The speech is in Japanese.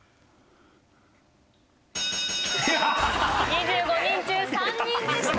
２５人中３人でした。